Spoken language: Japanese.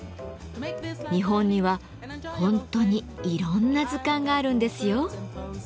日本には本当にいろんな図鑑があるんですよ。